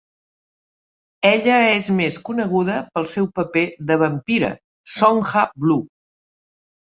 Ella és més coneguda pel seu paper de vampira, Sonja Blue.